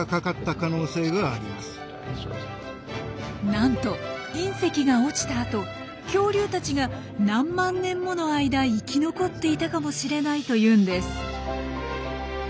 なんと隕石が落ちた後恐竜たちが何万年もの間生き残っていたかもしれないというんです。